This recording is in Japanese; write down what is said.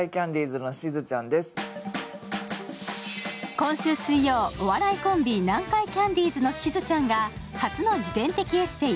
今週水曜、お笑いコンビ、南海キャンディーズのしずちゃんが初の自伝的エッセー。